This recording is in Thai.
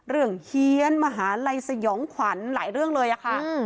เฮียนมหาลัยสยองขวัญหลายเรื่องเลยอะค่ะ